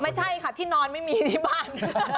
ไม่ใช่ค่ะที่นอนไม่มีที่บ้าน